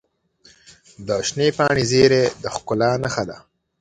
د شنې پاڼې زیرۍ د ښکلا نښه ده.